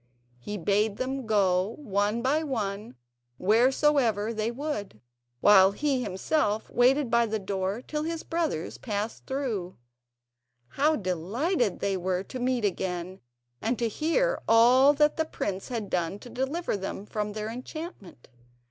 He bade them go one by one wheresoever they would, while he himself waited by the door till his brothers passed through. How delighted they were to meet again, and to hear all that the prince had done to deliver them from their enchantment.